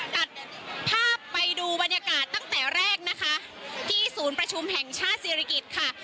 ตัดภาพไปดูบรรยากาศตั้งแต่แรกนะคะที่ศูนย์ประชุมแห่งชาติศิริกิจค่ะ